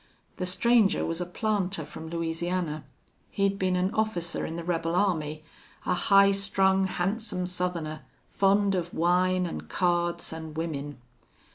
The stranger was a planter from Louisiana. He'd been an officer in the rebel army. A high strung, handsome Southerner, fond of wine an' cards an' women.